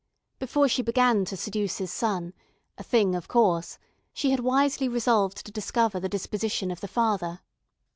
Before she began to seduce his son, a thing of course, she had wisely resolved to discover the disposition of the father.